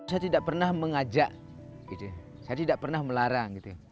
saya tidak pernah mengajak saya tidak pernah melarang